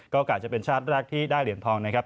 ก็กะจะเป็นชาติแรกที่ได้เหรียญทองนะครับ